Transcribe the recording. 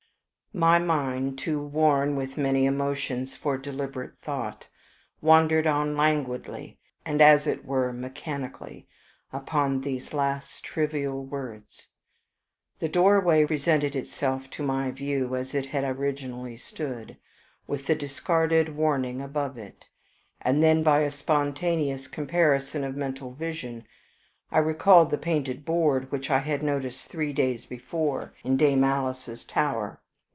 My mind, too worn with many emotions for deliberate thought, wandered on languidly, and as it were mechanically, upon these last trivial words. The doorway presented itself to my view as it had originally stood, with the discarded warning above it; and then, by a spontaneous comparison of mental vision, I recalled the painted board which I had noticed three days before in Dame Alice's tower.